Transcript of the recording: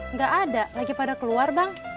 nggak ada lagi pada keluar bang